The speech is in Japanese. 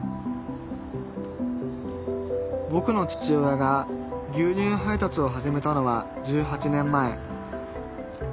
ぼくの父親が牛乳配達を始めたのは１８年前。